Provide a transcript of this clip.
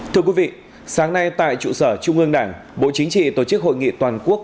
thưa quý vị sáng nay tại trụ sở trung ương đảng bộ chính trị tổ chức hội nghị toàn quốc